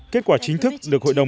kết quả chính thức được hội đồng